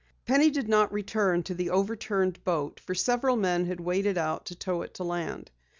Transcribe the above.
Penny did not return to the overturned boat for several men had waded out to tow it to land.